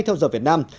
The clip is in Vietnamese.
theo giờ việt nam